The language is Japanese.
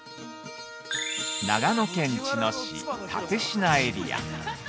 ◆長野県茅野市、蓼科エリア。